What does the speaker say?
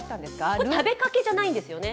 これ食べかけじゃないんですよね？